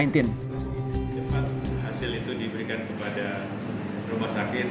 cepat hasil itu diberikan kepada rumah sakit